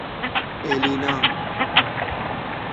اِلینا